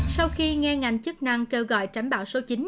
sau khi nghe ngành chức năng kêu gọi tránh bão số chín